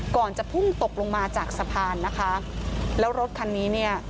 ก่อนจะพุ่งตกลงมาจากสะพานนะคะแล้วรถคันนี้เนี่ย